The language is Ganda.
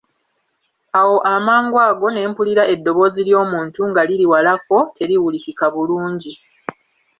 Awo amangu ago ne mpulira eddoboozi ly'omuntu nga liri walako teliwulikika bulungi.